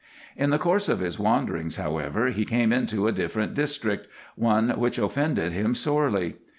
In the course of his wanderings, however, he came into a different district, one which offended him sorely.